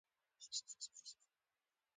جون وویل داستان ختم شو او ته وروستۍ مینه وې